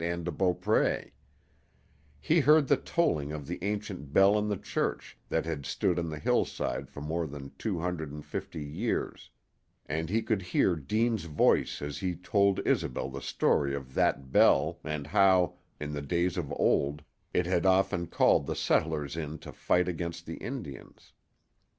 Anne de Beaupré; he heard the tolling of the ancient bell in the church that had stood on the hillside for more than two hundred and fifty years; and he could hear Deane's voice as he told Isobel the story of that bell and how, in the days of old, it had often called the settlers in to fight against the Indians.